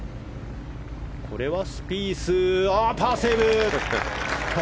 これはスピースパーセーブ！